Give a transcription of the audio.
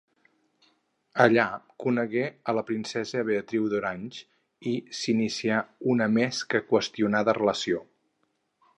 Allà conegué a la princesa Beatriu d'Orange i s'inicià una més que qüestionada relació.